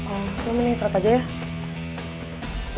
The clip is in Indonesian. oh lo mending israt aja ya